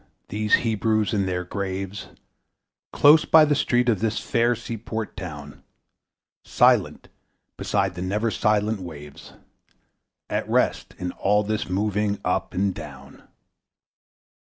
These Hebrews in their graves, Close by the street of this fair seaport town, Silent beside the never silent waves, At rest in all this moving up and down!